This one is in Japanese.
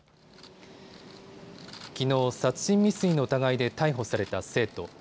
きのう殺人未遂の疑いで逮捕された生徒。